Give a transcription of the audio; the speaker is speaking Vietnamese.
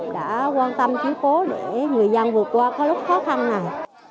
đã quan tâm chú cố để người dân vượt qua lúc khó khăn này